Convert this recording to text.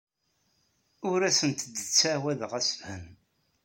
Ur asent-d-ttɛawadeɣ assefhem.